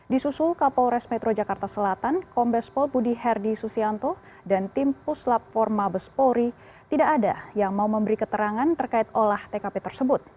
di susul kapolres metro jakarta selatan kombes pol budi herdi susianto dan tim puslap forma bespori tidak ada yang mau memberi keterangan terkait olah tkp tersebut